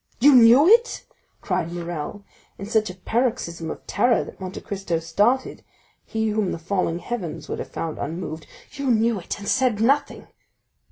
"You knew it?" cried Morrel, in such a paroxysm of terror that Monte Cristo started,—he whom the falling heavens would have found unmoved; "you knew it, and said nothing?"